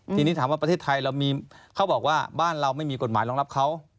ทีนี้ถามว่าประเทศไทยเรามีเขาบอกว่าบ้านเราไม่มีกฎหมายรองรับเขา